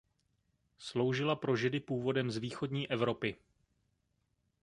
Sloužila pro židy původem z východní Evropy.